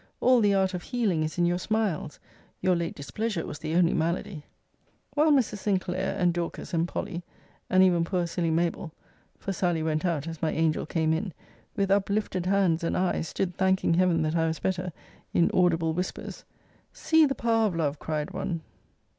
All the art of healing is in your smiles! Your late displeasure was the only malady! While Mrs. Sinclair, and Dorcas, and Polly, and even poor silly Mabell [for Sally went out, as my angel came in] with uplifted hands and eyes, stood thanking Heaven that I was better, in audible whispers: See the power of love, cried one!